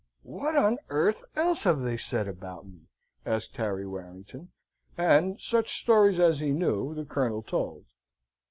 "What on earth else have they said about me?" asked Harry Warrington; and such stories as he knew the Colonel told.